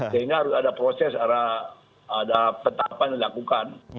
sehingga harus ada proses ada petapan dilakukan